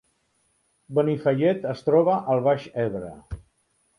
Benifallet es troba al Baix Ebre